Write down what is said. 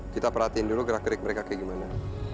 kita perhatiin dulu gerak gerik mereka kayak gimana